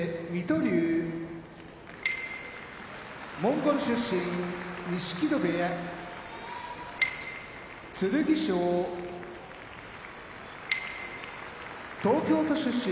龍モンゴル出身錦戸部屋剣翔東京都出身